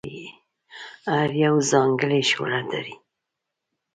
هر یو ځانګړی شهرت لري.